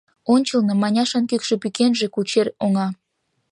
Ончылно Маняшан кӱкшӧ пӱкенже — кучер оҥа.